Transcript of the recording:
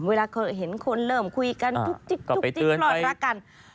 เวลาเขาเห็นคนเริ่มคุยกันจุ๊บจิ๊บจุ๊บจิ๊บรอดรักกัน